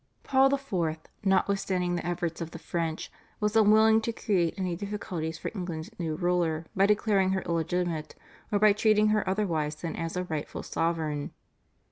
Paul IV., notwithstanding the efforts of the French, was unwilling to create any difficulties for England's new ruler by declaring her illegitimate or by treating her otherwise than as a rightful sovereign.